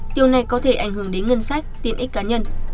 điều này có thể ảnh hưởng đến ngân sách tiện ích cá nhân